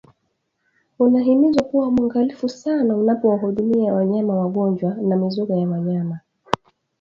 unahimizwa kuwa mwangalifu sana unapowahudumia wanyama wagonjwa na mizoga ya wanyama